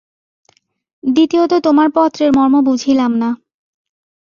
দ্বিতীয়ত তোমার পত্রের মর্ম বুঝিলাম না।